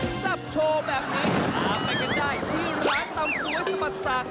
ซับโชว์แบบนี้หาไปกันได้ที่ร้านตำสวยสบัดสาก